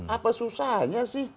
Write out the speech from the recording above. apa susahnya sih